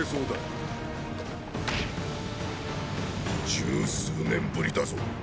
十数年ぶりだぞ。